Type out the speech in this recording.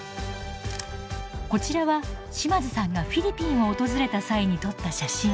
こちらは島津さんがフィリピンを訪れた際に撮った写真。